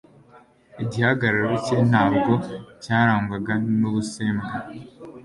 Igihagararo cye ntabwo cyarangwaga n'ubusembwa;